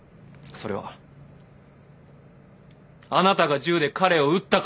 それはあなたが銃で彼を撃ったからです。